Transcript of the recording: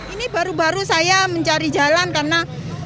ini baru baru saya mencari jalan karena